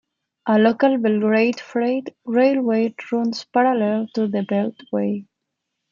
A local Belgrade freight railway runs parallel to the beltway.